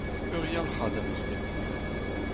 Ur yalc'had am eus bet.